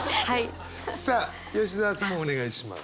さあ吉澤さんお願いします。